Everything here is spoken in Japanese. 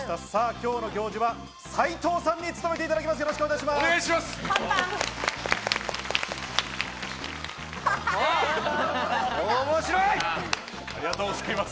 今日の行司は斉藤さんに勤めていただきます。